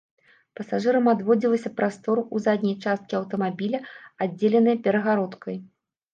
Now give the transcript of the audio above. Пасажырам адводзілася прастора ў задняй часткі аўтамабіля, аддзеленае перагародкай.